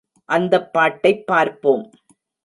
அந்தப் பாட்டைப் பார்ப்போம்.